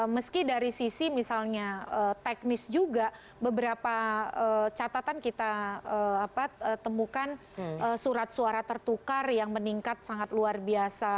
meski dari sisi misalnya teknis juga beberapa catatan kita temukan surat suara tertukar yang meningkat sangat luar biasa